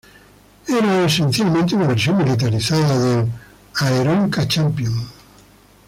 Era esencialmente una versión militarizada del Aeronca Champion.